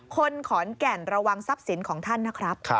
คนขอนแก่นระวังทรัพย์สินของท่านนะครับ